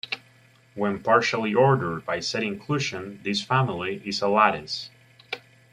When partially ordered by set inclusion, this family is a lattice.